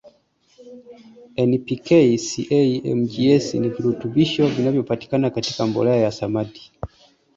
N P K Ca Mgs ni virutubisho vinavyopatikana katika mbolea ya samadi